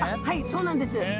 はいそうなんです。